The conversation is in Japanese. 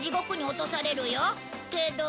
けど